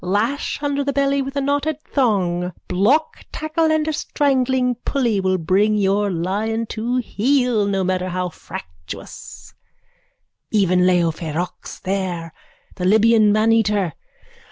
Lash under the belly with a knotted thong. Block tackle and a strangling pulley will bring your lion to heel, no matter how fractious, even Leo ferox there, the Libyan maneater.